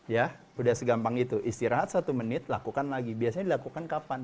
ya sudah segampang itu istirahat satu menit lakukan lagi biasanya dilakukan kapan